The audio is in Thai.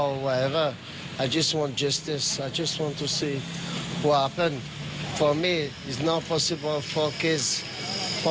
แล้วเขาก็แค่อยากรู้ว่าเกิดอะไรขึ้นกับลูกเขา